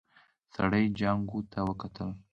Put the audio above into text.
سړي جانکو ته وکتل.